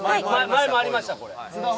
前もありました。